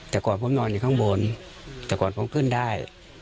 แต่ก่อนผมนอนอยู่ข้างบนแต่ก่อนผมขึ้นได้